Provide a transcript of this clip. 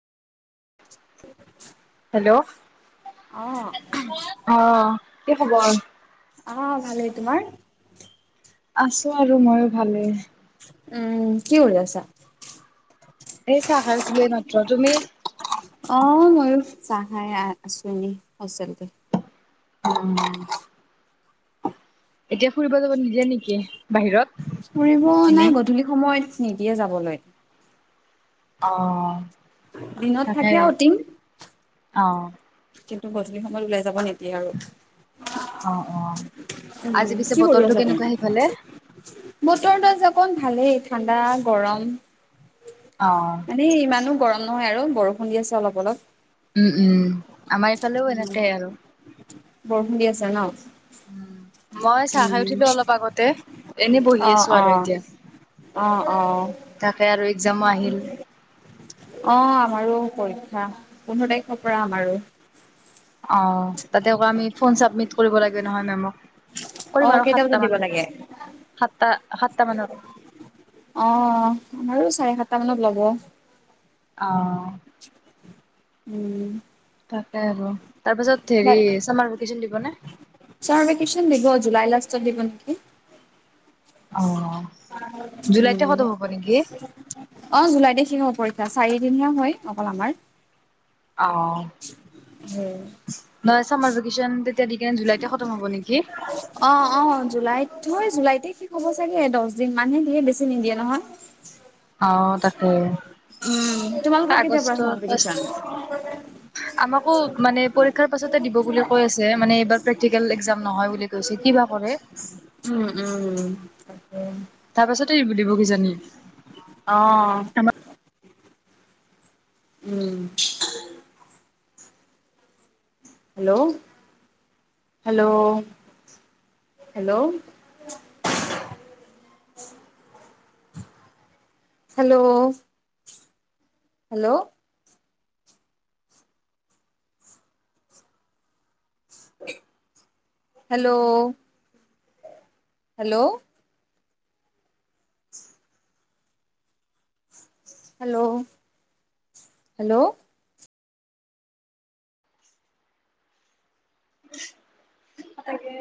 Hello অ আহ কি খবৰ? অ' ভালে। তোমাৰ? আছো আৰু ময়ো ভালেই। উম, কি কৰি আছা। এই চাহ খাই উঠিলো এই মাত্ৰ, তুমি? আহ ময়ো চাহ খাই আছো এনি [unintelligible] উম। এতিয়া ফুৰিব যাব নিদিয়ে নেকি বাহিৰত। ফুৰিব মানে এনেই? গধূলি সময়ত নিদিয়ে যাবলৈ। অহ' দিনত থাকে আৰু টিম। অ' কিন্তু গধূলি সময়ত ওলাই যাব নেদিয়ে। এ অ অ আৰু আজি উম, পিছে কি কৰি বতৰটো আছা কেনেকুৱা তুমি? সেইফালে? [unintelligible] অকন ভালেই ঠাণ্ডা গৰম অ মানে ইমানো গৰম। নহয় আৰু বৰষুণ দি আছে অলপ অলপ। উম, উম, আমাৰ এইফালেও এনেকেই আৰু বৰষুণ দি আছে ন। উম। মই চাহ খাই উঠিলো অলপ আগতে এনেই বহি অ', আছো আৰু অ', এতিয়া। অ', অ'। তাকে আৰু এক্মামো আহিল। অ' আমাৰো পৰীক্ষা পোন্ধৰ তাৰিখৰ পৰা আমাৰো। অ' তাতে আমি ফোন চাবমিট কৰিব লাগে নহয় মে' মক। কৰিম অ', আৰু কেইটা বজাত সাতটা দিব মানত লাগে? সাতটা সাতটা মানত অ' আমাৰো চাৰে সাতটা মানত ল'ব। অ' উম। তাকে আৰু তাৰ পাছত হেৰি চামাৰ ভেকেচন দিব নে? জাগি বন্থি অ' জুলাইতে উম, খতম হ'ব নেকি? অ' জুলাইতে শেষ হ'ব পৰীক্ষা। এ চাৰিদিন হয় অকল আমাৰ। অ' উম। নহয় চামাৰ ভেকেশচন তেতিয়া দিলে কিনে জুলাইতে সতম হ'ব নেকি? অ' অ' জুলাইত হয় জুলাইতে শেষ হ'ব চাগে দহ দিন মানহে দিয়ে, বেছি নিদিয়ে নহয়। অ' তাকে। উম, তোমালোকৰ কেতিয়াৰ পৰা আগষ্টৰ চামাৰ ফাৰ্ষ্ট ভেকেচন। আমাকো মানে পৰীক্ষাৰ পাছতে দিব বুলি কৈ আছে মানে এইবাৰ পেক প্ৰেক্টিকেল একজাম নহয় বুলি কৈছে, কিবা কৰে। উম, উম, তাকে তাৰ পাছতে দিব কিজানি অ উম hello hello hello [inaudible] hello hello hello hello hello hello তাকে